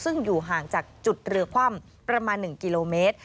ซึ่งอยู่ห่างจากจุดเรือคว่ำประมาณ๑กิโลเมตร